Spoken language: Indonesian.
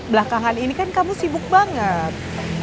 belakangan ini kan kamu sibuk banget